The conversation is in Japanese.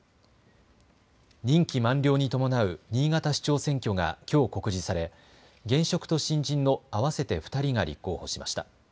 任期満了に伴う新潟市長選挙がきょう告示され現職と新人の合わせて２人が立候補しました。